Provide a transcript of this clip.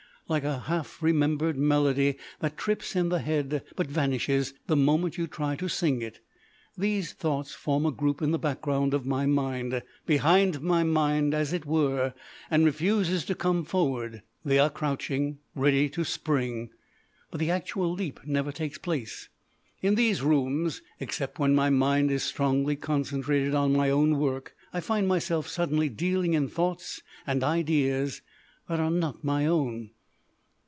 Like a half remembered melody that trips in the head but vanishes the moment you try to sing it, these thoughts form a group in the background of my mind, behind my mind, as it were, and refuse to come forward. They are crouching ready to spring, but the actual leap never takes place. In these rooms, except when my mind is strongly concentrated on my own work, I find myself suddenly dealing in thoughts and ideas that are not my own!